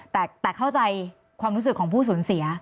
แต่เข้าใจความรู้สึกของผู้สูญเสีย